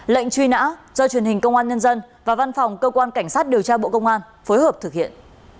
lệnh truy nã do truyền hình công an nhân dân và văn phòng cơ quan cảnh sát điều tra bộ công an phối hợp thực hiện